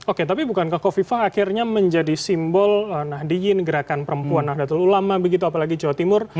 oke tapi bukankah kofifa akhirnya menjadi simbol nahdiyin gerakan perempuan nahdlatul ulama begitu apalagi jawa timur